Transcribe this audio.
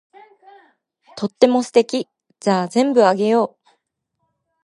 とっても素敵。じゃあ全部あげよう。